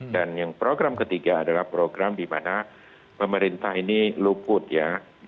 dan yang program ketiga adalah program di mana pemerintah ini luput ya